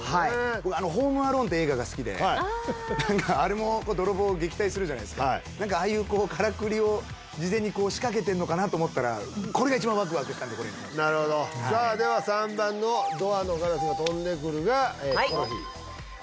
僕「ホーム・アローン」っていう映画が好きであれも泥棒を撃退するじゃないですか何かああいうからくりを事前に仕掛けてんのかなって思ったらんでこれにしましたでは３番のドアのガラスが飛んでくるがはい！